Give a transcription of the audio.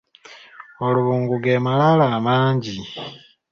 Olubungu ge malaalo amangi.